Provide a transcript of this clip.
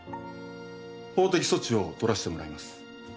法的措置をとらせてもらいます。